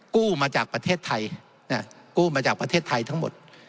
กู้มาจากประเทศไทยกู้มาจากประเทศไทยทั้งหมด